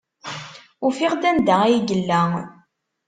Ufiɣ-d anda ay yella.